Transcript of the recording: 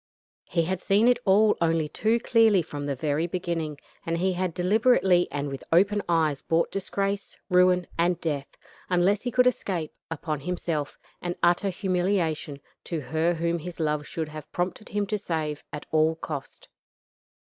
He had seen it all only too clearly from the very beginning, and he had deliberately and with open eyes brought disgrace, ruin, and death unless he could escape upon himself, and utter humiliation to her whom his love should have prompted him to save at all cost.